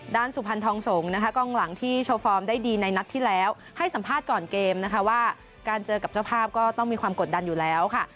สุพรรณทองสงฆ์นะคะกล้องหลังที่โชว์ฟอร์มได้ดีในนัดที่แล้วให้สัมภาษณ์ก่อนเกมนะคะว่าการเจอกับเจ้าภาพก็ต้องมีความกดดันอยู่แล้วค่ะ